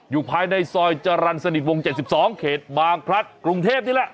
อยู่ภายในซอยจรรย์สนิทวง๗๒เขตบางพลัดกรุงเทพนี่แหละ